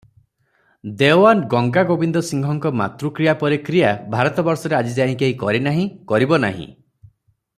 ଦେଓଆନ ଗଙ୍ଗାଗୋବିନ୍ଦ ସିଂହଙ୍କ ମାତୃକ୍ରିୟା ପରି କ୍ରିୟା ଭାରତବର୍ଷରେ ଆଜିଯାଏ କେହି କରିନାହିଁ, କରିବ ନାହିଁ ।